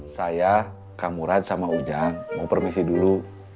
saya kang murad sama ujang mau permisi dulu